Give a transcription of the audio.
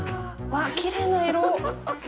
わあ、きれいな色。